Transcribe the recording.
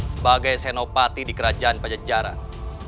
sebagai senopati di kerajaan pajajaran